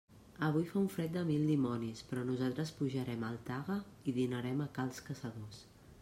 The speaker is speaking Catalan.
Avui fa un fred de mil dimonis, però nosaltres pujarem al Taga i dinarem a cals Caçadors.